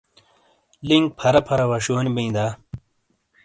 لِنک پھَرا پھَر وَشِیونی بئیں دا؟